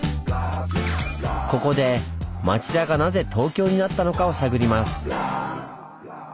ここで町田がなぜ東京になったのかを探ります。